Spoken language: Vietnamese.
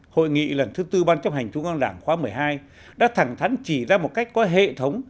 hội nghị lần thứ tư ban chấp hành trung an đảng khóa một mươi hai đã thẳng thắn chỉ ra một cách có hệ thống